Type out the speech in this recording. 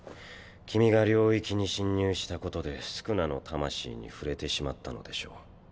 君が領域に侵入したことで宿儺の魂に触れてしまったのでしょう。